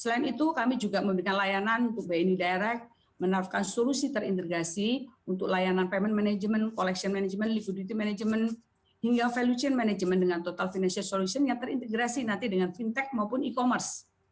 selain itu kami juga memberikan layanan untuk bni direct menaruhkan solusi terintegrasi untuk layanan payment management collection management likuidity management hingga value chain management dengan total financial solution yang terintegrasi nanti dengan fintech maupun e commerce